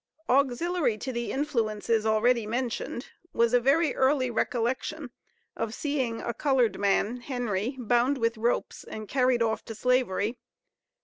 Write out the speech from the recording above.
] Auxiliary to the influences already mentioned, was a very early recollection of seeing a colored man, Henry, bound with ropes and carried off to slavery.